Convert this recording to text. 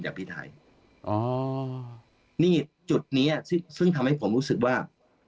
นี่หรือจุดนี้ทำให้ผมรู้สึกว่า